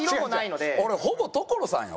俺ほぼ所さんよ？